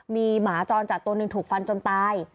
มีหมาจรจัดตัวหนึ่งถูกฟันจนตาย